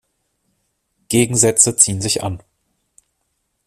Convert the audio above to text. Gegensätze ziehen sich an.